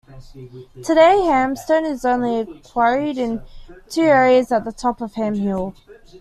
Today hamstone is only quarried in two areas at the top of Ham Hill.